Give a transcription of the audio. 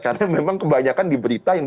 karena memang kebanyakan diberita yang